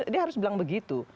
dia harus bilang begitu